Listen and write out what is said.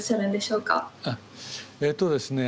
えっとですね